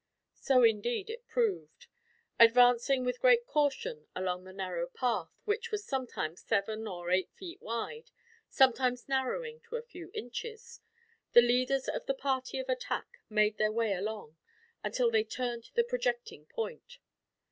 So indeed it proved. Advancing with great caution along the narrow path, which was sometimes seven or eight feet wide, sometimes narrowing to a few inches, the leaders of the party of attack made their way along, until they turned the projecting point.